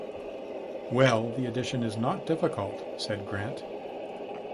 “Well, the addition is not difficult,” said Grant.